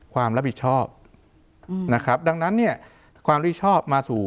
ความรับผิดชอบนะครับดังนั้นเนี่ยความที่ชอบมาสู่